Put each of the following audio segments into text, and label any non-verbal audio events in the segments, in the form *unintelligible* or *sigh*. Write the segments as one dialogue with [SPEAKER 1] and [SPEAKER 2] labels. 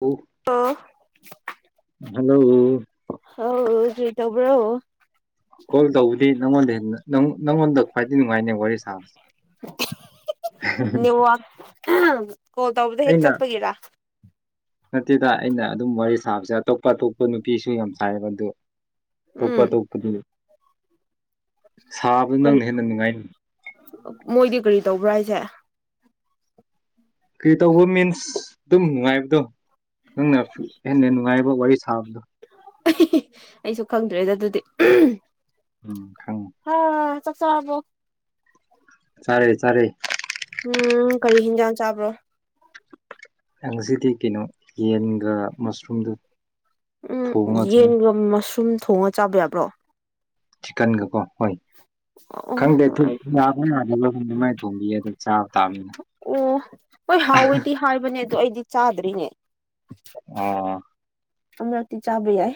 [SPEAKER 1] ꯑꯣ
[SPEAKER 2] ꯑꯣ
[SPEAKER 1] ꯍꯜꯂꯣ
[SPEAKER 2] ꯍꯥꯎ ꯀ꯭ꯔꯤ ꯇꯧꯕ꯭ꯔꯣ
[SPEAKER 1] ꯀꯣꯜ ꯇꯧꯕꯗꯤ ꯅꯪꯉꯣꯟꯗ ꯍꯦꯟꯅ ꯅꯪ ꯅꯪꯉꯣꯟꯗ ꯈ꯭ꯋꯥꯏꯗꯩ ꯅꯨꯉꯥꯏꯅꯦ ꯋꯥꯔꯤ ꯁꯥꯕꯁꯦ
[SPEAKER 2] ꯅꯦꯋꯥꯛ ꯀꯣꯜ ꯇꯧꯕꯗ ꯍꯦꯛ
[SPEAKER 1] ꯑꯩꯅ
[SPEAKER 2] ꯆꯠꯄꯒꯤꯔ
[SPEAKER 1] ꯅꯠꯇꯦꯗ ꯑꯩꯅ ꯑꯗꯨꯝ ꯋꯥꯔꯤ ꯁꯥꯕꯁꯦ ꯑꯇꯣꯞꯄ ꯑꯇꯣꯞꯄ ꯅꯨꯄꯤꯁꯨ ꯌꯥꯝ ꯁꯥꯏꯕ ꯑꯗꯨ ꯇꯣꯞꯄ
[SPEAKER 2] ꯎꯝ
[SPEAKER 1] ꯇꯣꯞꯄꯗꯨꯗꯤ ꯁꯥꯕ
[SPEAKER 2] ꯀꯔꯤ
[SPEAKER 1] ꯅꯪꯅ ꯍꯦꯟꯅ ꯅꯨꯉꯥꯏ
[SPEAKER 2] ꯃꯣꯏꯗꯤ ꯀꯔꯤ ꯇꯧꯕ꯭ꯔꯥ ꯍꯥꯏꯁꯦ
[SPEAKER 1] ꯀ꯭ꯔꯤ ꯇꯧꯕ ꯃꯤꯟꯁ ꯗꯨꯝ ꯅꯨꯉꯥꯏꯕꯗꯣ ꯅꯪꯅ ꯍꯦꯟꯅ ꯅꯨꯉꯥꯏꯕ ꯋꯥꯔꯤ ꯁꯥꯕꯗꯣ
[SPEAKER 2] ꯑꯩꯁꯨ ꯈꯪꯗ꯭ꯔꯦꯗ ꯗꯨꯗꯤ
[SPEAKER 1] ꯎꯝ ꯈꯪ
[SPEAKER 2] ꯍꯥ ꯆꯥꯛ ꯆꯥꯔꯕꯣ
[SPEAKER 1] ꯆꯥꯔꯦ ꯆꯥꯔꯦ
[SPEAKER 2] ꯎꯝ ꯀꯔꯤ ꯍꯤꯟꯖꯥꯡ ꯆꯥꯕ꯭ꯔꯣ
[SPEAKER 1] ꯑ ꯉꯁꯤꯗꯤ ꯀꯩꯅꯣ ꯌꯦꯟꯒ ꯃꯁꯔꯨꯝꯗꯨ
[SPEAKER 2] ꯎꯝ
[SPEAKER 1] ꯊꯣꯡꯉꯒ
[SPEAKER 2] ꯌꯦꯟꯒ ꯃꯁꯔꯨꯝ ꯊꯣꯡꯉ ꯆꯥꯕ ꯌꯥꯕ꯭ꯔꯣ
[SPEAKER 1] ꯆꯤꯛꯀꯟꯒꯀꯣ ꯍꯣꯏ
[SPEAKER 2] ꯑꯣ
[SPEAKER 1] ꯈꯪꯗꯦ
[SPEAKER 2] ꯑꯩ
[SPEAKER 1] *unintelligible* ꯈꯪꯗꯦ ꯃꯥꯏ ꯊꯣꯡꯕꯤꯌꯦ ꯑꯗꯨꯝ ꯆꯥꯕ ꯇꯥꯕꯅꯤꯅꯦ
[SPEAKER 2] ꯑꯣ ꯍꯣꯏ ꯍꯥꯎꯋꯦꯗꯤ ꯍꯥꯏꯕꯅꯦ ꯑꯗꯣ ꯑꯩꯗꯤ ꯆꯥꯗ꯭ꯔꯤꯅꯦ
[SPEAKER 1] ꯑꯣ
[SPEAKER 2] ꯑꯃꯔꯛꯇꯤ ꯆꯥꯕ ꯌꯥꯏ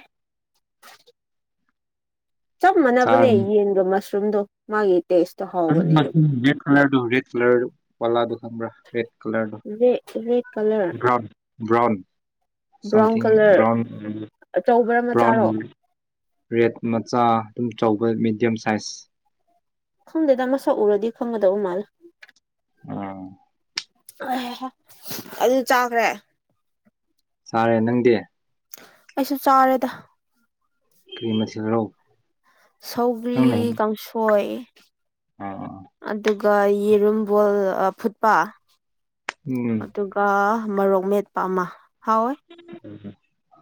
[SPEAKER 2] ꯆꯞ ꯃꯥꯟꯅꯕꯅꯦ
[SPEAKER 1] ꯆꯥꯔꯅꯤ
[SPEAKER 2] ꯌꯦꯟꯒ ꯃꯁꯔꯨꯝꯗꯣ ꯃꯥꯒꯤ ꯇꯦꯁꯇꯣ ꯍꯥꯎ
[SPEAKER 1] ꯑꯁꯤ ꯃꯁꯔꯨꯝ ꯔꯦꯠ ꯀꯂꯔꯗꯣ ꯔꯦꯠ ꯀꯂꯔ ꯄꯂꯥꯗꯣ ꯈꯪꯕ꯭ꯔꯥ ꯔꯦꯠ ꯀꯂꯔꯗꯣ
[SPEAKER 2] ꯔꯦ red colour
[SPEAKER 1] *unintelligible* brown
[SPEAKER 2] brown
[SPEAKER 1] something
[SPEAKER 2] colour
[SPEAKER 1] brown ꯂꯩꯌꯦ
[SPEAKER 2] ꯑꯆꯧꯕꯔ ꯃꯆꯥꯔꯣ
[SPEAKER 1] ꯕ꯭ꯔꯥꯎꯟꯒꯤ ꯔꯦꯠ ꯃꯆꯥ ꯌꯨꯝ ꯆꯧꯕ ꯃꯦꯗꯤꯌꯝ ꯁꯥꯏꯖ
[SPEAKER 2] ꯈꯪꯗꯦꯗ ꯃꯁꯛ ꯎꯔꯗꯤ ꯈꯪꯒꯗꯧ ꯃꯥꯂꯦ
[SPEAKER 1] ꯑꯥ
[SPEAKER 2] ꯑ ꯑꯗꯨ ꯆꯥꯈ꯭ꯔꯦ
[SPEAKER 1] ꯆꯥꯔꯦ ꯅꯪꯗꯤ
[SPEAKER 2] ꯑꯩꯁꯨ ꯆꯥꯔꯦꯗ
[SPEAKER 1] ꯀꯔꯤ ꯃꯊꯦꯜꯔꯣ
[SPEAKER 2] ꯁꯧꯒ꯭ꯔꯤ
[SPEAKER 1] ꯅꯪꯅ
[SPEAKER 2] ꯀꯥꯡꯁꯣꯏ
[SPEAKER 1] ꯑꯥ
[SPEAKER 2] ꯑꯗꯨ ꯑꯗꯨꯒ ꯌꯦꯔꯨꯝ ꯕꯣꯏꯜ ꯐꯨꯠꯄ
[SPEAKER 1] ꯎꯝ
[SPEAKER 2] ꯑꯗꯨꯒ ꯃꯣꯔꯣꯛ ꯃꯦꯠꯄ ꯑꯃ ꯍꯥꯎꯋꯦ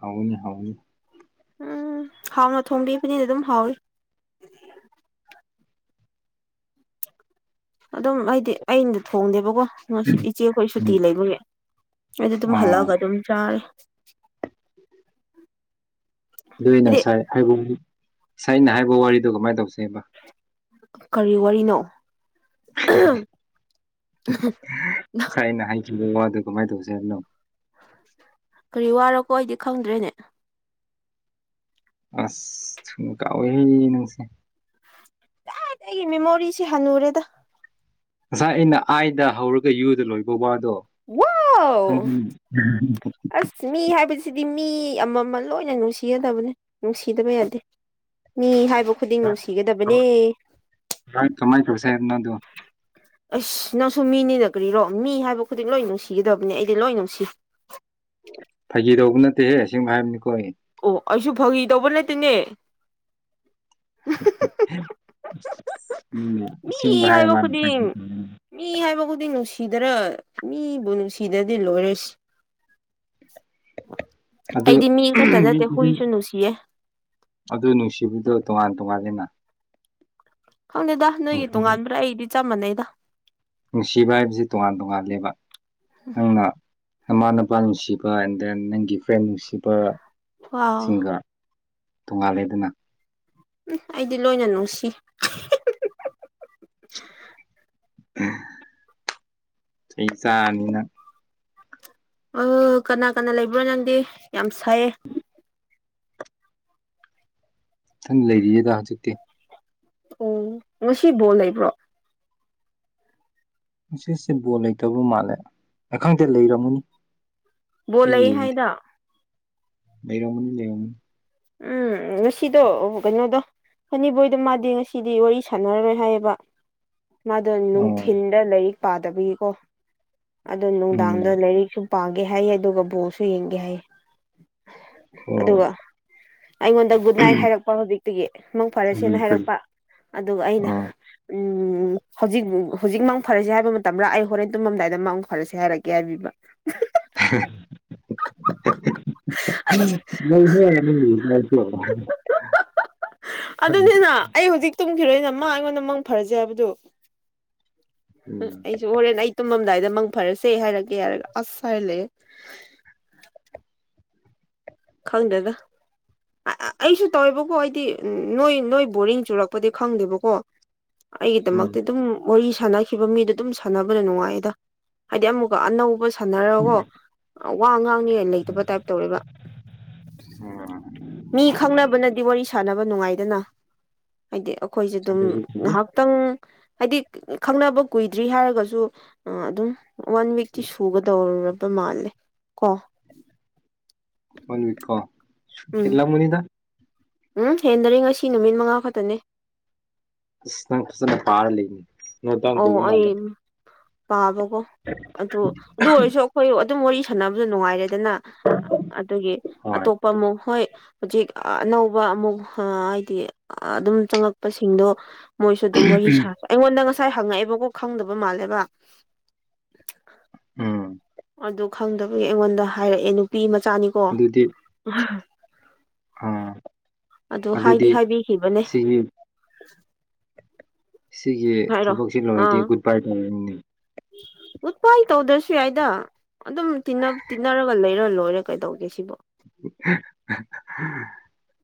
[SPEAKER 1] ꯑꯣ ꯍꯥꯎꯒꯅꯤ ꯍꯥꯎꯒꯅꯤ
[SPEAKER 2] ꯎꯝ ꯍꯥꯎꯅ ꯊꯣꯡꯕꯤꯕꯅꯤꯅ ꯑꯗꯨꯝ ꯍꯥꯎꯋꯤ ꯑꯗꯨꯝ ꯑꯩꯗꯤ ꯑꯩꯅ ꯊꯣꯡꯗꯦꯕꯀꯣ ꯉꯁꯤ ꯏꯆꯦꯈꯣꯏ ꯁꯨꯇꯤ ꯂꯩꯕꯒꯤ ꯑꯩꯗꯤ ꯑꯗꯨꯝ
[SPEAKER 1] ꯑꯥ
[SPEAKER 2] ꯍꯜꯂꯛꯑꯒ ꯑꯗꯨꯝ ꯆꯥꯔꯦ
[SPEAKER 1] ꯑꯗꯨ ꯑꯩꯅ
[SPEAKER 2] ꯍꯥꯏꯗꯤ
[SPEAKER 1] ꯉꯁꯥꯏ ꯍꯥꯏꯕꯕꯨ ꯉꯁꯥꯏ ꯑꯩꯅ ꯍꯥꯏꯕ ꯋꯥꯔꯤꯗꯣ ꯀꯃꯥꯏꯅ ꯇꯧꯁꯦꯕ
[SPEAKER 2] ꯀꯔꯤ ꯋꯥꯔꯤꯅꯣ
[SPEAKER 1] ꯑꯗꯨ ꯋꯥꯗꯨ ꯀꯃꯥꯏꯅ ꯇꯧꯁꯦ ꯍꯥꯏꯕꯅꯣ
[SPEAKER 2] ꯀꯔꯤ ꯋꯥꯔꯣꯀꯣ ꯑꯩꯗꯤ ꯈꯪꯗ꯭ꯔꯦꯅꯦ
[SPEAKER 1] ꯑꯁ ꯊꯨꯅ ꯀꯥꯎꯋꯦꯍꯦ ꯅꯪꯁꯦ
[SPEAKER 2] *unintelligible* ꯑꯩꯒꯤ ꯃꯦꯃꯣꯔꯤꯁꯦ ꯍꯟꯅꯨꯔꯦꯗ
[SPEAKER 1] ꯉꯁꯥꯏ ꯑꯩꯅ ꯑꯥꯏꯗ ꯍꯧꯔꯒ ꯌꯨꯗ ꯂꯣꯏꯕ ꯋꯥꯗꯣ
[SPEAKER 2] ꯋꯥꯎ ꯑꯁ ꯃꯤ ꯍꯥꯏꯕꯁꯤꯗꯤ ꯃꯤ ꯑꯃꯃ ꯂꯣꯏꯅ ꯅꯨꯡꯁꯤꯒꯗꯕꯅꯦ ꯅꯨꯡꯁꯤꯗꯕ ꯌꯥꯗꯦ ꯃꯤ ꯍꯥꯏꯕ ꯈꯨꯗꯤꯡ
[SPEAKER 1] ꯀꯃꯥꯏꯅ
[SPEAKER 2] ꯅꯨꯡꯁꯤꯒꯗꯕꯅꯦ
[SPEAKER 1] ꯇꯧꯁꯦ ꯍꯥꯏꯕꯅꯣ ꯑꯗꯣ
[SPEAKER 2] ꯑꯁ ꯅꯪꯁꯨ ꯃꯤꯅꯤꯅ ꯀꯔꯤꯔꯣ ꯃꯤ ꯍꯥꯏꯕ ꯈꯨꯗꯤꯡ ꯂꯣꯏ ꯅꯨꯡꯁꯤꯒꯗꯕꯅꯤ ꯑꯩꯗꯤ ꯂꯣꯏ ꯅꯨꯡꯁꯤ
[SPEAKER 1] ꯀꯤꯗꯧꯕ ꯅꯠꯇꯦꯍꯦ ꯑꯁꯦꯡꯕ ꯍꯥꯏꯕꯅꯤꯀꯣ ꯑꯩ
[SPEAKER 2] ꯑꯣ ꯑꯩꯁꯨ ꯐꯥꯒꯤ ꯇꯧꯕ ꯅꯠꯇꯦꯅꯦ
[SPEAKER 1] ꯎꯝ
[SPEAKER 2] ꯃꯤ
[SPEAKER 1] ꯑꯁꯤꯡꯕ
[SPEAKER 2] ꯍꯥꯏꯕ
[SPEAKER 1] ꯍꯥꯏꯔ ꯃꯥꯅ
[SPEAKER 2] ꯈꯨꯗꯤꯡ
[SPEAKER 1] *unintelligible*
[SPEAKER 2] ꯃꯤ ꯍꯥꯏꯕ ꯈꯨꯗꯤꯡ ꯅꯨꯡꯁꯤꯗꯔ ꯃꯤꯕꯨ ꯅꯨꯡꯁꯤꯗ꯭ꯔꯗꯤ ꯂꯣꯏꯔꯦ ꯑꯁ
[SPEAKER 1] ꯑꯗꯨ
[SPEAKER 2] ꯑꯩꯗꯤ ꯃꯤ ꯈꯛꯇ ꯅꯠꯇꯦ
[SPEAKER 1] ꯃꯤꯗꯨꯗꯤ
[SPEAKER 2] ꯍꯨꯏꯁꯨ ꯅꯨꯡꯁꯤꯌꯦ
[SPEAKER 1] ꯑꯗꯨ ꯅꯨꯡꯁꯤꯕꯗꯣ ꯇꯣꯉꯥꯟ ꯇꯣꯉꯥꯟꯂꯦꯅ
[SPEAKER 2] ꯈꯪꯗꯦꯗ ꯅꯣꯏꯒꯤ
[SPEAKER 1] ꯅꯨꯡꯁꯤꯕ
[SPEAKER 2] ꯇꯣꯉꯥꯟꯕ꯭ꯔꯥ ꯑꯩꯒꯝꯗꯤ ꯆꯞ ꯃꯥꯟꯅꯩꯗ
[SPEAKER 1] ꯅꯨꯡꯁꯤꯕ ꯍꯥꯏꯕꯁꯤ ꯇꯣꯉꯥꯟ ꯇꯣꯉꯥꯟꯂꯦꯕ ꯅꯪꯅ ꯃꯃꯥ ꯅꯄꯥ ꯅꯨꯡꯁꯤꯕ ꯑꯦꯟ ꯗꯦꯟ ꯅꯪꯒꯤ ꯐ꯭ꯔꯦꯟ ꯅꯨꯡꯁꯤꯕ
[SPEAKER 2] ꯋꯥꯎ
[SPEAKER 1] ꯁꯤꯡꯒ ꯇꯣꯉꯥꯜꯂꯦꯗꯅ
[SPEAKER 2] ꯎꯝ ꯑꯩꯗꯤ ꯂꯣꯏꯅ ꯅꯨꯡꯁꯤ
[SPEAKER 1] ꯆꯩ ꯆꯥꯅꯤ ꯅꯪ
[SPEAKER 2] ꯑꯣ ꯀꯅꯥ ꯀꯅꯥ ꯂꯩꯕ꯭ꯔꯣ ꯅꯪꯗꯤ ꯌꯥꯝ ꯁꯥꯏꯌꯦ
[SPEAKER 1] ꯏꯊꯟ ꯂꯩꯔꯤꯌꯦꯗ ꯍꯧꯖꯤꯛꯇꯤ
[SPEAKER 2] ꯑꯣ ꯉꯁꯤ ꯕꯣꯜ ꯂꯩꯕ꯭ꯔꯣ
[SPEAKER 1] ꯉꯁꯤꯁꯦ ꯕꯣꯜ ꯂꯩꯇꯕ ꯃꯥꯜꯂꯦ ꯈꯪꯗꯦ ꯂꯩꯔꯝꯒꯅꯤ
[SPEAKER 2] ꯕꯣꯜ
[SPEAKER 1] ꯑꯩ
[SPEAKER 2] ꯂꯩ
[SPEAKER 1] ꯌꯦꯡꯗꯦ
[SPEAKER 2] ꯍꯥꯏꯗ
[SPEAKER 1] ꯂꯩꯔꯝꯒꯅꯤ ꯂꯩꯔꯝꯒꯅꯤ
[SPEAKER 2] ꯎꯝ ꯉꯁꯤꯗꯣ ꯀꯩꯅꯣꯗꯣ ꯍꯅꯤꯕꯣꯏꯗꯣ ꯃꯥꯗꯤ ꯉꯁꯤꯗꯤ ꯋꯥꯔꯤ ꯁꯥꯟꯅꯔꯔꯣꯏ ꯍꯥꯏꯌꯦꯕ ꯃꯥꯗꯣ
[SPEAKER 1] ꯑꯣ
[SPEAKER 2] ꯅꯨꯡꯊꯤꯟꯗ ꯂꯥꯏꯔꯤꯛ ꯄꯥꯗꯕꯒꯤꯀꯣ ꯑꯗꯣ
[SPEAKER 1] ꯎꯝ
[SPEAKER 2] ꯅꯨꯡꯗꯥꯡꯗꯣ ꯂꯥꯏꯔꯤꯛꯁꯨ ꯄꯥꯒꯦ ꯍꯥꯏꯌꯦ ꯑꯗꯨꯒ ꯕꯣꯜꯁꯨ ꯌꯦꯡꯒꯦ ꯍꯥꯏꯌꯦ
[SPEAKER 1] ꯑꯣ
[SPEAKER 2] ꯑꯗꯨꯒ ꯑꯩꯉꯣꯟꯗ ꯒꯨꯗ ꯅꯥꯏꯠ ꯍꯥꯏꯔꯛꯄ ꯍꯧꯖꯤꯛꯇꯒꯤ ꯃꯪ
[SPEAKER 1] ꯎꯝ
[SPEAKER 2] ꯐꯔꯁꯦꯅ
[SPEAKER 1] ꯀꯔꯤ
[SPEAKER 2] ꯍꯥꯏꯔꯛꯄ ꯑꯗꯨꯒ ꯑꯩꯅ
[SPEAKER 1] ꯑꯣ
[SPEAKER 2] ꯎꯝ ꯍꯧꯖꯤꯛ ꯍꯧꯖꯤꯛ ꯃꯡ ꯐꯔꯥꯁꯤ ꯍꯥꯏꯕ ꯃꯇꯝꯔ ꯑꯩ ꯍꯣꯔꯦꯟ ꯇꯨꯝꯃꯝꯗꯥꯏꯗ ꯃꯡ ꯐꯔꯥꯁꯦ ꯍꯥꯏꯔꯛꯀꯦ ꯍꯥꯏꯕꯤꯕ
[SPEAKER 1] ꯃ *inaudible* ꯎꯝ
[SPEAKER 2] ꯑꯗꯨꯅꯤꯅ ꯑꯩ ꯍꯧꯖꯤꯛ ꯇꯨꯝꯈꯤꯔꯣꯏꯅ ꯃꯥ ꯑꯩꯉꯣꯟꯗ ꯃꯪ ꯐꯔꯥꯁꯦ ꯍꯥꯏꯕꯗꯨ ꯎ ꯑꯩꯁꯨ ꯍꯣꯔꯦꯟ ꯑꯩ ꯇꯨꯝꯃꯝꯗꯥꯏꯗ ꯃꯪ ꯐꯔꯥꯁꯦ ꯍꯥꯏꯔꯛꯒꯦ ꯍꯥꯏꯔꯒ ꯑꯁ ꯍꯥꯏꯔ ꯂꯩꯌꯦ ꯈꯪꯗꯦꯗ ꯑꯩꯁꯨ ꯇꯧꯋꯦꯕꯀꯣ ꯑꯩꯗꯤ ꯅꯣꯏ ꯅꯣꯏ ꯕꯣꯔꯤꯡ ꯆꯨꯔꯛꯄꯗꯤ ꯈꯪꯗꯦꯕꯀꯣ
[SPEAKER 1] ꯎꯝ
[SPEAKER 2] ꯑꯩꯒꯤꯗꯃꯛꯇ ꯑꯗꯨꯝ ꯋꯥꯔꯤ ꯁꯥꯟꯅꯈꯤꯕ ꯃꯤꯗꯣ ꯑꯗꯨꯝ ꯁꯥꯟꯅꯕꯅ ꯅꯨꯡꯉꯥꯏꯌꯦꯗ ꯍꯥꯏꯗꯤ ꯑꯃꯨꯛꯀ ꯑꯅꯧꯕ ꯁꯥꯟꯅꯔꯒꯀꯣ ꯋꯥ ꯉꯥꯡꯅꯤ ꯂꯩꯇꯕ ꯇꯥꯏꯞ ꯇꯧꯔꯦꯕ ꯃꯤ ꯈꯪꯅꯕꯅꯗꯤ ꯋꯥꯔꯤ ꯁꯥꯟꯅꯕ ꯅꯨꯡꯉꯥꯏꯗꯅ ꯍꯥꯏꯗꯤ ꯑꯩꯈꯣꯏꯁꯨ ꯑꯗꯨꯝ ꯉꯩꯍꯥꯛ ꯈꯤꯇꯪ ꯍꯥꯏꯗꯤ ꯈꯪꯅꯕ ꯀꯨꯏꯗ꯭ꯔꯤ ꯍꯥꯏꯔꯒꯁꯨ ꯑꯗꯨꯝ ꯋꯥꯟ ꯋꯤꯛꯇꯤ ꯁꯨꯒꯗꯧꯔꯕ ꯃꯥꯜꯂꯦ ꯀꯣ
[SPEAKER 1] ꯋꯥꯟ ꯃꯤꯅꯤꯠꯀꯣ
[SPEAKER 2] ꯎꯝ
[SPEAKER 1] ꯍꯦꯟꯂꯜꯒꯅꯤꯗ
[SPEAKER 2] ꯎꯝ ꯍꯦꯟꯗ꯭ꯔꯤ ꯉꯁꯤ ꯅꯨꯃꯤꯠ ꯃꯉꯥ ꯈꯛꯇꯅꯤ
[SPEAKER 1] ꯏꯁ ꯅꯪ ꯐꯖꯅ ꯄꯥꯔꯒ ꯂꯩꯅꯦ
[SPEAKER 2] ꯑꯣ ꯑꯩ ꯄꯥꯕꯀꯣ
[SPEAKER 1] *inaudible*
[SPEAKER 2] ꯑꯗꯨ ꯑꯗꯨ ꯑꯣꯏꯔꯁꯨ ꯑꯩꯈꯣꯏ ꯑꯗꯨꯝ ꯋꯥꯔꯤ ꯁꯥꯟꯅꯕꯗ ꯅꯨꯡꯉꯥꯏꯔꯦ ꯔꯦꯗꯅ ꯑꯗꯨꯒꯤ
[SPEAKER 1] ꯍꯣꯏ
[SPEAKER 2] ꯑꯇꯣꯞꯄ ꯑꯃꯨꯛ ꯍꯣꯏ ꯍꯧꯖꯤꯛ ꯑꯅꯧꯕ ꯑꯃꯨꯛ ꯍꯥꯏꯗꯤ ꯑꯗꯨꯝ ꯆꯪꯉꯛꯄꯁꯤꯡꯗꯣ ꯃꯣꯏꯁꯨ ꯑꯗꯨꯝ ꯃꯣꯏꯒꯤ ꯁꯥꯕ ꯑꯩꯉꯣꯟꯗ ꯉꯁꯥꯏ ꯍꯪꯉꯛꯑꯦꯕꯀꯣ ꯈꯪꯗꯕ ꯃꯥꯜꯂꯦꯕ
[SPEAKER 1] ꯎꯝ
[SPEAKER 2] ꯑꯗꯨ ꯈꯪꯗꯕꯒꯤ ꯑꯩꯉꯣꯟꯗ ꯍꯥꯏꯔꯛꯑꯦ ꯅꯨꯄꯤ ꯃꯆꯥꯅꯤꯀꯣ
[SPEAKER 1] ꯑꯗꯨꯗꯤ ꯑꯥ
[SPEAKER 2] ꯑꯗꯨ ꯍꯥꯏꯗꯤ
[SPEAKER 1] ꯑꯗꯨꯗꯤ
[SPEAKER 2] ꯍꯥꯏꯕꯤꯈꯤꯕꯅꯦ
[SPEAKER 1] ꯁꯤꯒꯤ ꯁꯤꯒꯤ
[SPEAKER 2] ꯍꯥꯏꯔꯣ
[SPEAKER 1] ꯊꯕꯛꯁꯤ ꯂꯣꯏꯔꯗꯤ
[SPEAKER 2] ꯑꯥ
[SPEAKER 1] ꯒꯨꯠ ꯕꯥꯏ ꯑꯣꯏꯔꯅꯤꯅꯦ
[SPEAKER 2] ꯒꯨꯠꯕꯥꯏ ꯇꯧꯗ꯭ꯔꯁꯨ ꯌꯥꯏꯗ ꯑꯗꯨꯝ ꯇꯤꯟꯅ ꯇꯤꯟꯅꯔꯒ ꯂꯩꯔ ꯂꯣꯏꯔ ꯀꯩꯗꯧꯒꯦ ꯁꯤꯕꯣ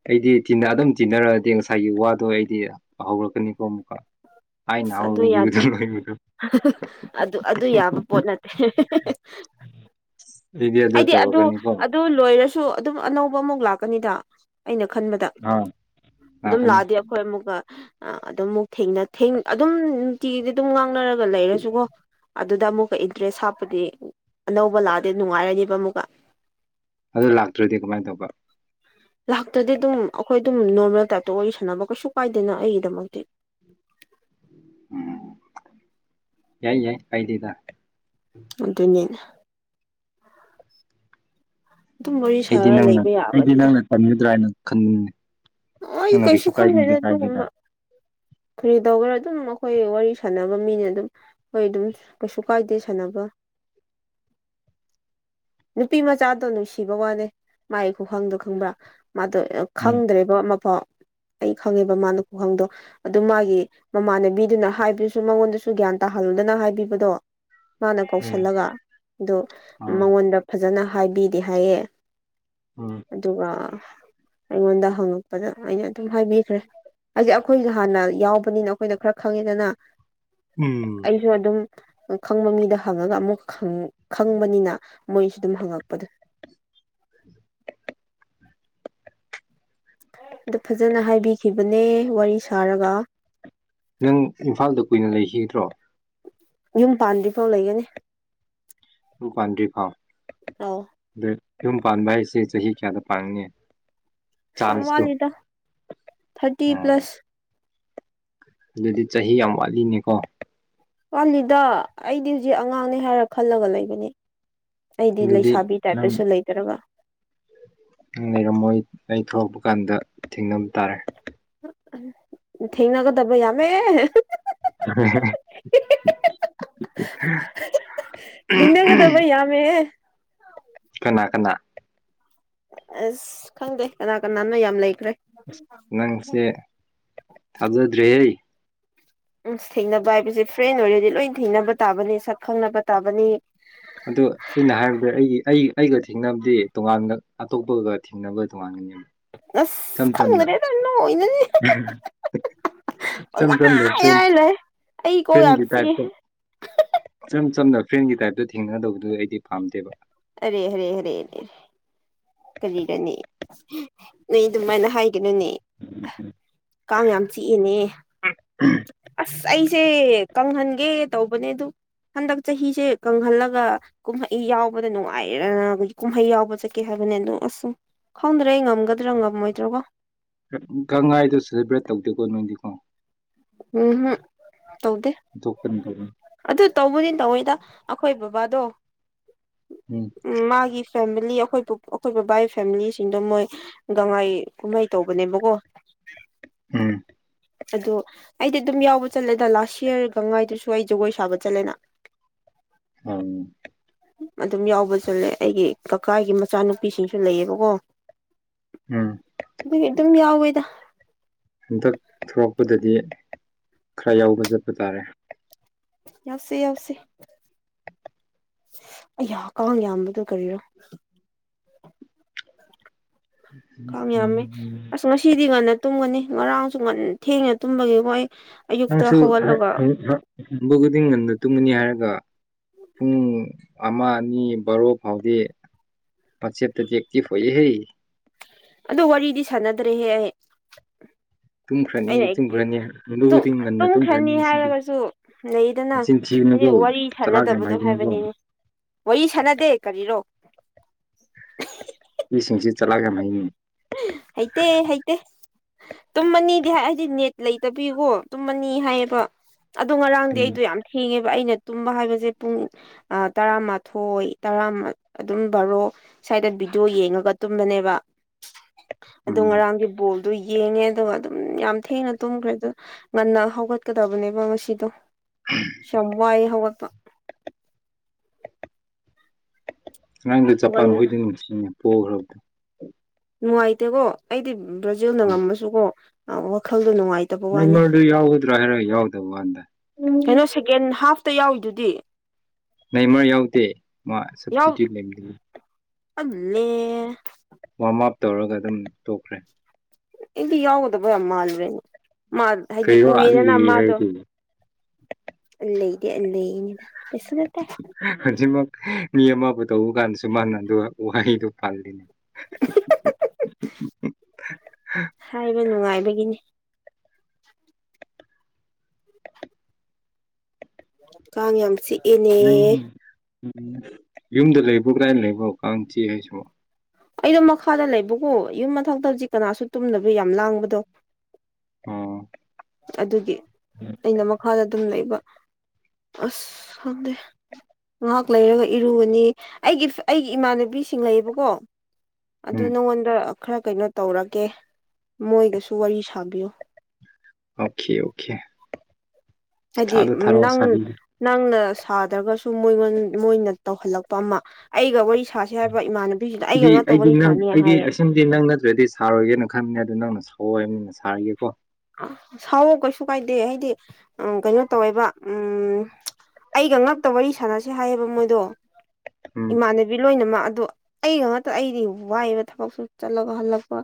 [SPEAKER 1] *inaudible* ꯑꯩꯗꯤ ꯑꯗꯨꯝ ꯇꯤꯟꯅꯔꯛꯑꯗꯤ ꯉꯁꯥꯏꯒꯤ ꯋꯥꯗꯣ ꯑꯩꯗꯤ ꯍꯧꯔꯛꯀꯅꯤꯀꯣ ꯑꯃꯨꯛꯀ ꯑꯩꯅ
[SPEAKER 2] ꯑꯁ
[SPEAKER 1] ꯑꯃꯨꯛ
[SPEAKER 2] ꯑꯗꯨ
[SPEAKER 1] ꯌꯨꯗꯣ
[SPEAKER 2] ꯌꯥꯗꯦ
[SPEAKER 1] ꯂꯩꯕꯤꯕꯗꯣ
[SPEAKER 2] ꯑꯗꯨ ꯑꯗꯨ ꯌꯥꯕ ꯄꯣꯠ ꯅꯠꯇꯦ
[SPEAKER 1] ꯍꯧꯖꯤꯛꯇꯤ ꯑꯗꯨ ꯇꯧꯔꯛꯀꯅꯤꯀꯣ
[SPEAKER 2] ꯑꯗꯨ ꯂꯣꯏꯔꯁꯨ ꯑꯗꯨꯝ ꯑꯅꯧꯕ ꯑꯃꯨꯛ ꯂꯥꯛꯀꯅꯤꯗ ꯑꯩꯅ ꯈꯟꯕꯗ
[SPEAKER 1] ꯑꯥ
[SPEAKER 2] ꯑꯗꯨꯝ
[SPEAKER 1] ꯂꯥꯛꯀꯅꯤ
[SPEAKER 2] ꯂꯥꯛꯑꯗꯤ ꯑꯩꯈꯣꯏ ꯑꯃꯨꯛꯀ ꯑꯗꯨꯝ ꯑꯃꯨꯛ ꯊꯦꯡꯅ ꯊꯦꯡ ꯑꯗꯨꯝ ꯅꯨꯡꯇꯤꯒꯤꯗꯤ ꯑꯗꯨꯝ ꯉꯥꯡꯅꯔꯒ ꯂꯩꯔꯁꯨꯀꯣ ꯑꯗꯨꯗ ꯑꯃꯨꯛꯀ ꯏꯟꯇꯔꯦꯁ ꯍꯥꯞꯄꯗꯤ ꯑꯅꯧꯕ ꯂꯥꯛꯑꯗꯤ ꯅꯨꯡꯉꯥꯏꯔꯅꯤꯕ ꯑꯃꯨꯛꯀ
[SPEAKER 1] ꯑꯗꯣ ꯂꯥꯛꯇ꯭ꯔꯗꯤ ꯀꯃꯥꯏꯅ ꯇꯧꯕ
[SPEAKER 2] ꯂꯥꯛꯇ꯭ꯔꯗꯤ ꯑꯗꯨꯝ ꯑꯩꯈꯣꯏ ꯑꯗꯨꯝ ꯅꯣꯔꯃꯦꯜ ꯇꯥꯏꯞꯇ ꯋꯥꯔꯤ ꯁꯥꯟꯅꯕ ꯀꯩꯁꯨ ꯀꯥꯏꯗꯦꯅ ꯑꯩꯒꯤꯗꯃꯛꯇꯤ
[SPEAKER 1] ꯎꯝ ꯌꯥꯏ ꯌꯥꯏ ꯀꯥꯏꯗꯦꯗ
[SPEAKER 2] ꯑꯗꯨꯅꯦ ꯑꯗꯨꯝ ꯋꯥꯔꯤ
[SPEAKER 1] ꯑꯩꯗꯤ
[SPEAKER 2] ꯁꯥꯔ
[SPEAKER 1] ꯅꯪꯅ
[SPEAKER 2] ꯂꯩꯕ
[SPEAKER 1] ꯑꯩꯗꯤ
[SPEAKER 2] ꯌꯥꯕꯅꯤꯗ
[SPEAKER 1] ꯅꯪꯅ ꯇꯝꯒꯗ꯭ꯔꯥ ꯍꯥꯏꯅ ꯈꯟꯕꯅꯦ
[SPEAKER 2] ꯑꯣꯏ ꯀꯩꯁꯨ ꯈꯜꯗ꯭ꯔꯦ ꯑꯗꯨꯒꯨꯝꯕ ꯀꯔꯤ ꯇꯧꯕꯔ ꯑꯗꯨꯝ ꯑꯩꯈꯣꯏ ꯋꯥꯔꯤ ꯁꯥꯟꯅꯕ ꯃꯤꯅꯦ ꯑꯗꯨꯝ꯫ ꯍꯣꯏ ꯑꯗꯨꯝ ꯀꯩꯁꯨ ꯀꯥꯏꯗꯦ ꯁꯥꯟꯅꯕ꯫
[SPEAKER 1] *inaudible*
[SPEAKER 2] ꯅꯨꯄꯤ ꯃꯆꯥꯗꯣ ꯅꯨꯡꯁꯤꯕ ꯋꯥꯅꯦ ꯃꯥꯥꯏ ꯈꯨꯈꯪꯗꯣ ꯈꯪꯕ꯭ꯔꯥ ꯃꯥꯗꯣ
[SPEAKER 1] ꯎꯝ
[SPEAKER 2] ꯈꯪꯗ꯭ꯔꯦ ꯑꯗꯣ ꯑꯃꯐꯥꯎ ꯑꯩ ꯈꯪꯉꯦꯕ ꯃꯥꯅ ꯈꯨꯈꯪꯗꯣ꯫ ꯑꯗꯨ ꯃꯥꯒꯤ ꯃꯃꯥꯟꯅꯕꯤꯗꯨꯅ ꯍꯥꯏꯕꯗꯨꯁꯨ ꯃꯉꯣꯟꯗꯁꯨ ꯒ꯭ꯌꯥꯟ ꯇꯥꯍꯜꯂꯨꯗꯅ ꯍꯥꯏꯕꯤꯕꯗꯣ꯫ ꯃꯥꯅ
[SPEAKER 1] ꯎꯝ
[SPEAKER 2] ꯀꯧꯁꯜꯂꯒ ꯑꯗꯨ
[SPEAKER 1] ꯑꯥ
[SPEAKER 2] ꯃꯉꯣꯟꯗ ꯐꯖꯅ ꯍꯥꯏꯕꯤꯗꯦ ꯍꯥꯏꯌꯦ꯫
[SPEAKER 1] ꯎꯝ꯫
[SPEAKER 2] ꯑꯗꯨꯒ ꯑꯩꯉꯣꯟꯗ ꯍꯪꯉꯛꯄꯗ ꯑꯩꯅ ꯑꯗꯨꯝ ꯍꯥꯏꯕꯤꯈ꯭ꯔꯦ ꯍꯥꯏꯗꯤ ꯑꯩꯈꯣꯏꯁꯨ ꯍꯥꯟꯅ ꯌꯥꯎꯕꯅꯤꯅ ꯑꯩꯈꯣꯏꯅ ꯈꯔ ꯈꯪꯉꯦꯗꯅ
[SPEAKER 1] ꯎꯝ
[SPEAKER 2] ꯑꯩꯁꯨ ꯑꯗꯨꯝ꯫ ꯈꯪꯕ ꯃꯤꯗ ꯍꯪꯉꯒ ꯑꯃꯨꯛ ꯈꯪꯕꯅꯤꯅ ꯃꯣꯏꯁꯨ ꯑꯗꯨꯝ ꯍꯪꯉꯛꯄꯗꯨ꯫ ꯑꯗꯨ ꯐꯖꯅ ꯍꯥꯏꯕꯤꯈꯤꯕꯅꯦ ꯋꯥꯔꯤ ꯁꯥꯔꯒ꯫
[SPEAKER 1] ꯅꯪ ꯏꯝꯐꯥꯜꯗ ꯀꯨꯏꯅ ꯂꯩꯈꯤꯒꯗ꯭ꯔꯣ꯫
[SPEAKER 2] ꯌꯨꯝ ꯄꯥꯟꯗ꯭ꯔꯤꯐꯥꯎ ꯂꯩꯒꯅꯤ꯫
[SPEAKER 1] ꯌꯨꯝ ꯄꯥꯟꯗꯔꯤ ꯐꯥꯎ꯫
[SPEAKER 2] ꯑꯣ꯫
[SPEAKER 1] ꯑꯗꯨ ꯌꯨꯝ ꯄꯥꯟꯕ ꯍꯥꯏꯁꯦ ꯆꯍꯤ ꯀꯌꯥꯗ ꯄꯥꯟꯒꯅꯤ꯫
[SPEAKER 2] ꯑꯁ ꯌꯥꯝ
[SPEAKER 1] ꯆꯥꯟꯁꯇꯣ
[SPEAKER 2] ꯋꯥꯠꯂꯤꯗ ꯊꯔꯇꯤ
[SPEAKER 1] ꯑꯣ
[SPEAKER 2] ꯄ꯭ꯂꯁ꯫
[SPEAKER 1] ꯑꯗꯨꯗꯤ ꯆꯍꯤ ꯌꯥꯝ ꯋꯥꯠꯂꯤꯅꯦꯀꯣ꯫
[SPEAKER 2] ꯋꯥꯂꯤꯗ ꯑꯩꯗꯤ ꯍꯧꯖꯤꯛ ꯑꯉꯥꯡꯅꯤ ꯍꯥꯏꯔ ꯈꯜꯂꯒ ꯂꯩꯕꯅꯦ꯫ ꯑꯩꯗꯤ
[SPEAKER 1] ꯑꯗꯨꯗꯤ
[SPEAKER 2] ꯂꯩꯁꯥꯕꯤ
[SPEAKER 1] ꯅꯪ
[SPEAKER 2] ꯇꯥꯏꯞꯇꯁꯨ ꯂꯩꯗ꯭ꯔꯒ꯫
[SPEAKER 1] ꯂꯩꯔꯝꯃꯣꯏ ꯑꯩ ꯊꯣꯛꯂꯛꯄ ꯀꯥꯟꯗ ꯊꯦꯡꯅꯕ ꯇꯥꯔꯦ꯫
[SPEAKER 2] ꯊꯦꯡꯅꯒꯗꯕ ꯌꯥꯝꯃꯦ꯫
[SPEAKER 1] *unintelligible*
[SPEAKER 2] ꯊꯦꯡꯅꯒꯗꯕ ꯌꯥꯝꯃꯦꯍꯦ꯫
[SPEAKER 1] ꯀꯅꯥ ꯀꯅꯥ꯫
[SPEAKER 2] ꯑꯁ ꯈꯪꯗꯦ ꯀꯅꯥ ꯀꯅꯥꯅꯣ ꯌꯥꯝ ꯂꯩꯈ꯭ꯔꯦ꯫
[SPEAKER 1] ꯅꯪꯁꯦ ꯊꯥꯖꯗ꯭ꯔꯦ ꯍꯦ꯫
[SPEAKER 2] ꯎꯝ ꯊꯦꯡꯅꯕ ꯍꯥꯏꯕꯁꯦ ꯐ꯭ꯔꯦꯟ ꯑꯣꯏꯔꯗꯤ ꯂꯣꯏ ꯊꯦꯡꯅꯕ ꯇꯥꯕꯅꯤ ꯁꯛ ꯈꯪꯅꯕ ꯇꯥꯕꯅꯤ꯫
[SPEAKER 1] ꯑꯗꯣ ꯑꯩꯅ ꯍꯥꯏꯔꯕꯗ ꯑꯩꯒꯤ ꯑꯩ ꯑꯩꯒ ꯊꯦꯡꯅꯕꯗꯤ ꯇꯣꯉꯥꯟꯅ ꯑꯇꯣꯞꯄꯒ ꯅꯕ ꯇꯧꯡꯒꯥꯟꯒꯅꯤ꯫
[SPEAKER 2] ꯑꯁ ꯈꯪꯗ꯭ꯔꯦꯗꯪ ꯅꯣꯛꯏꯅꯗꯤ꯫ ꯄꯪ ꯍꯥꯏ ꯍꯥꯏꯂꯩ꯫
[SPEAKER 1] ꯐꯔꯦꯟꯒꯤ ꯇꯥꯏꯞꯇ ꯏꯆꯝ ꯆꯝꯅ ꯐ꯭ꯔꯦꯟꯒꯤ ꯇꯥꯏꯞꯇ ꯊꯦꯡꯅꯗꯧꯕꯗꯨ ꯑꯩꯗꯤ ꯄꯥꯝꯗꯦꯕ꯫
[SPEAKER 2] ꯍꯥꯔꯦ ꯍꯔꯦ ꯍꯥꯔꯦ ꯍꯥꯔꯦ ꯀꯔꯤꯔꯅꯦ ꯅꯣꯏ ꯑꯗꯨꯃꯥꯏꯅ ꯍꯥꯏ ꯀꯅꯣꯅꯦ ꯀꯥꯡ ꯌꯥꯝ ꯆꯤꯛꯑꯦꯅꯦ꯫
[SPEAKER 1] *unintelligible*
[SPEAKER 2] ꯑꯁ ꯑꯩꯁꯦ ꯀꯪꯍꯟꯒꯦ ꯇꯧꯕꯅꯦ ꯑꯗꯨ ꯍꯟꯗꯛ ꯆꯍꯤꯁꯦ ꯀꯪꯍꯜꯂꯒ꯫ ꯀꯨꯝꯍꯩ ꯌꯥꯎꯕꯗ ꯅꯨꯡꯉꯥꯏꯔꯅ ꯑꯩꯈꯣꯏ ꯀꯨꯝꯍꯩ ꯌꯥꯎꯕ ꯆꯠꯀꯦ ꯍꯥꯏꯕꯅꯤ ꯑꯗꯨꯣ ꯑꯁ ꯈꯪꯗ꯭ꯔꯦ ꯑꯩ ꯉꯝꯒꯗ꯭ꯔꯥ ꯉꯝꯃꯣꯏꯗ꯭ꯔꯣ ꯀꯣ꯫
[SPEAKER 1] ꯒꯪꯍꯥꯏꯗꯣ ꯁꯦꯂꯦꯕ꯭ꯔꯦꯠ ꯇꯧꯗꯦꯀꯣ ꯅꯣꯏꯗꯤꯀꯣ꯫
[SPEAKER 2] ꯎꯝ ꯍꯝ ꯇꯧꯗꯦ꯫
[SPEAKER 1] ꯑꯇꯣꯞꯄꯗꯤ ꯇꯧꯕ꯫
[SPEAKER 2] ꯑꯗꯨ ꯇꯧꯕꯗꯤ ꯇꯧꯋꯤꯗ ꯑꯩꯈꯣꯏ ꯕꯕꯥꯗꯣ ꯎꯝ ꯃꯥꯒꯤ ꯐꯦꯃꯤꯂꯤ ꯑꯩꯈꯣꯏ ꯑꯩꯈꯣꯏ ꯕꯕꯥꯏ ꯐꯦꯃꯤꯂꯤꯁꯤꯡꯗꯣ ꯃꯣꯏ ꯒꯉꯥꯏ ꯀꯨꯝꯍꯩ ꯇꯧꯕꯅꯦꯕꯀꯣ꯫
[SPEAKER 1] ꯎꯝ
[SPEAKER 2] ꯑꯗꯣ ꯑꯩꯗꯤ ꯑꯗꯨꯝ ꯌꯥꯎꯕ ꯆꯠꯂꯦꯗ ꯂꯥꯁ ꯌꯑꯔ ꯒꯪꯉꯥꯏꯗꯨꯁꯨ ꯑꯩ ꯖꯒꯣꯏ ꯁꯥꯕ ꯆꯠꯂꯦꯅ
[SPEAKER 1] ꯑꯪ
[SPEAKER 2] ꯑꯗꯨꯝ ꯌꯥꯎꯕ ꯆꯠꯂꯦ ꯑꯩꯒꯤ ꯀꯀꯥꯒꯤ ꯃꯆꯥꯅꯨꯄꯤꯁꯤꯡꯁꯨ ꯂꯩꯌꯦꯕꯀꯣ
[SPEAKER 1] ꯎꯝ
[SPEAKER 2] ꯑꯗꯨꯒꯤ ꯑꯗꯨꯝ ꯌꯥꯎꯋꯦꯗ
[SPEAKER 1] ꯍꯟꯗꯛ ꯊꯣꯛꯄꯗꯗꯤ ꯈꯔ ꯌꯥꯎꯕ ꯆꯠꯄ ꯇꯥꯔꯦ
[SPEAKER 2] ꯌꯥꯎꯁꯦ ꯌꯥꯎꯁꯦ ꯑꯩꯌꯥ ꯀꯥꯡ ꯌꯥꯝꯕꯗꯨ ꯀꯔꯤꯔꯣ ꯀꯥꯡ ꯌꯥꯝꯃꯦ
[SPEAKER 1] ꯎꯝ
[SPEAKER 2] ꯑꯁ ꯉ ꯁꯤꯗꯤ ꯉꯟꯅ ꯇꯨꯝꯒꯅꯤ ꯉꯔꯥꯡꯁꯨ ꯉꯟ ꯊꯦꯡꯅ ꯇꯨꯝꯕꯒꯤ ꯀꯣ ꯑꯩ ꯑꯌꯨꯛꯇ
[SPEAKER 1] ꯅꯪꯁꯨ ꯍꯥ
[SPEAKER 2] ꯍꯧꯒꯠꯂꯒ
[SPEAKER 1] ꯑꯪ ꯍꯪꯕ ꯈꯨꯗꯤꯡ ꯉꯟꯅ ꯇꯨꯝꯒꯅꯤ ꯍꯥꯏꯔꯒ ꯄꯨꯡ ꯑꯃ ꯑꯅꯤ ꯕꯥꯔꯣ ꯐꯥꯎꯗꯤ ꯋꯥꯆꯦꯞꯇꯗꯤ ꯑꯦꯛꯇꯤꯞ ꯑꯣꯏꯍꯦ
[SPEAKER 2] ꯑꯗꯨ ꯋꯥꯔꯤꯗꯤ ꯁꯥꯟꯅꯗ꯭ꯔꯦꯍꯦ ꯑꯩ
[SPEAKER 1] ꯇꯨꯝꯈ꯭ꯔꯅꯤ
[SPEAKER 2] ꯑꯩꯅ ꯑꯦꯛꯇꯤꯞ
[SPEAKER 1] ꯇꯨꯝꯈ꯭ꯔꯅꯤ ꯍꯟꯕ
[SPEAKER 2] ꯇꯨꯝ
[SPEAKER 1] ꯈꯨꯗꯤꯡ ꯉꯟꯅ
[SPEAKER 2] ꯇꯨꯝꯈ꯭ꯔꯅꯤ
[SPEAKER 1] ꯉꯁꯤꯗꯤ
[SPEAKER 2] ꯍꯥꯏꯔꯒꯁꯨ ꯂꯩꯗꯅ
[SPEAKER 1] ꯅꯆꯤꯟ
[SPEAKER 2] ꯍꯥꯏꯗꯤ
[SPEAKER 1] ꯊꯤꯒꯅꯨꯀꯣ
[SPEAKER 2] ꯋꯥꯔꯤ
[SPEAKER 1] ꯆꯂꯥꯛ ꯌꯥꯝ
[SPEAKER 2] ꯁꯥꯟꯅꯗꯕꯗꯣ
[SPEAKER 1] ꯍꯩꯒꯅꯨꯀꯣ
[SPEAKER 2] ꯍꯥꯏꯕꯅꯤꯍꯦ ꯋꯥꯔꯤ ꯁꯥꯅꯗꯦ ꯀꯔꯤꯔꯣ
[SPEAKER 1] ꯅꯨꯄꯤꯁꯤꯡꯁꯦ ꯆꯥꯂꯥꯛ ꯌꯥꯝ ꯍꯩꯅꯦ
[SPEAKER 2] ꯍꯩꯇꯦ ꯍꯩꯇꯦ ꯇꯨꯝꯃꯅꯤꯗꯤ ꯍꯥꯏ ꯑꯩꯗꯤ ꯅꯦꯠ ꯂꯩꯇꯕꯒꯤꯀꯣ ꯇꯨꯝꯃꯅꯤ ꯍꯥꯏꯑꯕ ꯑꯗꯣ ꯉꯔꯥꯡꯗꯤ
[SPEAKER 1] ꯎꯝ
[SPEAKER 2] ꯑꯩꯗꯣ ꯌꯥꯝ ꯊꯦꯡꯉꯦꯕ ꯑꯩꯅ ꯇꯨꯝꯕ ꯍꯥꯏꯕꯁꯦ ꯄꯨꯡ ꯑ ꯇꯔꯥꯃꯥꯊꯣꯏ ꯇꯔꯥꯃ ꯑꯗꯨꯝ ꯕꯥꯔꯣ ꯁ꯭ꯋꯥꯏꯗ ꯚꯤꯗꯤꯑꯣ ꯌꯦꯡꯉꯒ ꯇꯨꯝꯕꯅꯦꯕ ꯑꯗꯨ
[SPEAKER 1] ꯎꯝ
[SPEAKER 2] ꯉꯔꯥꯡꯒꯤ ꯕꯣꯜꯗꯣ ꯌꯦꯡꯉꯦ ꯑꯗꯨꯒ ꯑꯗꯨꯝ ꯌꯥꯝ ꯊꯦꯡꯅ ꯇꯨꯝꯈ꯭ꯔꯦ ꯑꯗꯣ ꯉꯟꯅ ꯍꯧꯒꯠꯀꯗꯕꯅꯦꯕ ꯉꯁꯤꯗꯣ ꯌꯥꯝ ꯋꯥꯏ ꯍꯧꯒꯠꯄ
[SPEAKER 1] ꯉꯔꯥꯡꯗꯤ ꯖꯄꯥꯟ ꯍꯣꯏꯗꯤ ꯅꯨꯡ ꯅꯨꯡ ꯄꯣꯈ꯭ꯔꯕꯣ
[SPEAKER 2] ꯅꯨꯡꯉꯥꯏꯇꯦꯀꯣ ꯑꯩꯗꯤ ꯕ꯭ꯔꯥꯖꯤꯜꯅ
[SPEAKER 1] ꯍꯣꯏ
[SPEAKER 2] ꯉꯝꯃꯁꯨꯀꯣ ꯋꯥꯈꯜꯗꯣ ꯅꯨꯡꯉꯥꯏ
[SPEAKER 1] ꯅꯦꯃꯔꯗꯨ ꯌꯥꯎꯒꯗ꯭ꯔꯥ ꯍꯥꯏꯔꯒ ꯌꯥꯎꯗꯕ ꯋꯥꯅꯤꯗ
[SPEAKER 2] ꯀꯩꯅꯣ ꯁꯦꯀꯦꯟ ꯍꯥꯐꯇ ꯌꯥꯎꯋꯤꯗꯨꯗꯤ
[SPEAKER 1] ꯅꯦꯃꯔ ꯌꯥꯎꯗꯦ ꯃꯥ
[SPEAKER 2] ꯌꯥꯎ
[SPEAKER 1] ꯁꯞꯁꯇꯤꯇꯨꯠꯅꯦ
[SPEAKER 2] ꯑꯜꯂꯦ
[SPEAKER 1] ꯋꯥꯔꯝ ꯑꯞ ꯇꯧꯔꯒ ꯑꯗꯨꯝ ꯇꯣꯛꯈ꯭ꯔꯦ
[SPEAKER 2] ꯑꯩꯗꯤ ꯌꯥꯎꯒꯗꯕ ꯌꯥꯝ ꯃꯥꯜꯂꯨꯔꯦꯅꯦ ꯃꯥ ꯍꯥꯏꯗꯤ
[SPEAKER 1] ꯀꯔꯤꯔꯣ ꯑꯜꯂꯤ
[SPEAKER 2] ꯎꯑꯦꯗꯅ ꯃꯥꯗꯣ
[SPEAKER 1] ꯍꯥꯏꯗꯤ
[SPEAKER 2] ꯑꯩ ꯂꯩꯗꯦ ꯂꯩꯅꯤ ꯀꯩꯁꯨ ꯅꯠꯇꯦ
[SPEAKER 1] ꯍꯧꯖꯤꯛꯃꯛ ꯃꯤ ꯑꯃꯕꯨ ꯇꯧꯕ ꯀꯥꯟꯗꯁꯨ ꯃꯥꯅ ꯑꯗꯨ ꯋꯥꯍꯩꯗꯣ ꯄꯜꯂꯤꯅꯦ
[SPEAKER 2] ꯍꯥꯏꯕ ꯅꯨꯡꯉꯥꯏꯕꯒꯤꯅꯤ ꯀꯥꯡ ꯌꯥꯝ ꯆꯤꯛ
[SPEAKER 1] ꯎꯝ ꯎꯝ ꯌꯨꯝꯗ ꯂꯩꯕ꯭ꯔꯣ ꯀꯗꯥꯥꯏꯗ ꯂꯩꯕꯔꯣ ꯀꯥꯡ ꯆꯤꯛꯑꯦ ꯑꯩꯁꯨ
[SPEAKER 2] ꯑꯩꯗꯣ ꯃꯈꯥꯗ ꯂꯩꯕꯀꯣ ꯌꯨꯝ ꯃꯊꯛꯇ ꯍꯧꯖꯤꯛ ꯀꯅꯥꯁꯨ ꯇꯨꯝꯗꯕꯩ ꯌꯥꯝ ꯂꯥꯡꯕꯗꯣ
[SPEAKER 1] ꯑꯣ
[SPEAKER 2] ꯑꯗꯨꯒꯤ ꯑꯩꯅ ꯃꯈꯥꯗ ꯑꯗꯨꯝ ꯂꯩꯕ ꯑꯁ ꯈꯪꯗꯦ ꯉꯥꯏꯍꯥꯛ ꯂꯩꯔꯒ ꯏꯔꯨꯅꯤ ꯑꯩꯒꯤ ꯑꯩꯒꯤ ꯏꯃꯥꯟꯅꯕꯤꯁꯤꯡ ꯂꯩꯌꯦꯕꯀꯣ ꯑꯗꯨ
[SPEAKER 1] ꯎꯝ
[SPEAKER 2] ꯅꯪꯉꯣꯟꯗ ꯈꯔ ꯀꯩꯅꯣ ꯇꯧꯔꯛꯒꯦ ꯃꯣꯏꯒꯁꯨ ꯋꯥꯔꯤ ꯁꯥꯕꯤꯌꯨ
[SPEAKER 1] ꯑꯣꯀꯦ ꯑꯣꯀꯦ
[SPEAKER 2] ꯍꯥꯏꯗꯤ
[SPEAKER 1] ꯊꯥꯗ ꯊꯥꯔꯛꯑꯣ
[SPEAKER 2] ꯅꯪ
[SPEAKER 1] ꯁꯥꯕꯤꯒꯦ
[SPEAKER 2] ꯅꯪꯅ ꯁꯥꯗ꯭ꯔꯒꯁꯨ ꯃꯣꯏꯉꯣꯟ ꯃꯣꯏꯅ ꯇꯧꯍꯜꯂꯛꯄ ꯑꯃ ꯑꯩꯒ ꯋꯥꯔꯤ ꯁꯥꯁꯤ ꯍꯥꯏꯕ ꯏꯃꯥꯟꯅꯕꯤꯁꯤꯗ ꯑꯩꯒ ꯉꯇ ꯋꯥꯔꯤ ꯁꯥꯅꯤ ꯍꯥꯏꯌꯦ
[SPEAKER 1] *unintelligible* ꯗꯤ ꯅꯪ ꯅꯠꯇ꯭ꯔꯗꯤ ꯁꯥꯔꯣꯏꯒꯦꯅ ꯈꯟꯕꯅꯦ ꯑꯗꯨ ꯅꯪꯅ ꯁ‌ꯣꯑꯣꯏꯕꯅꯤꯅ ꯁꯥꯔꯒꯦꯀꯣ
[SPEAKER 2] ꯁꯥꯎꯑꯣ ꯀꯩꯁꯨ ꯀꯥꯏꯗꯦ ꯍꯥꯏꯗꯤ ꯑꯥ ꯀꯩꯅꯣ ꯇꯧꯋꯦꯕ ꯎꯝ ꯑꯩꯒ ꯉꯛꯇ ꯋꯥꯔꯤ ꯁꯥꯟꯅꯁꯤ ꯍꯥꯏꯌꯦꯕ ꯃꯣꯏꯗꯣ
[SPEAKER 1] ꯎꯝ
[SPEAKER 2] ꯏꯃꯥꯟꯅꯕꯤ ꯂꯣꯏꯅꯃꯛ ꯑꯗꯨ ꯑꯩꯒ ꯉꯥꯛꯇ ꯑꯩꯗꯤ ꯋꯥꯏꯕ ꯊꯕꯛꯁꯨ ꯆꯠꯂꯒ ꯍꯜꯂꯛꯄ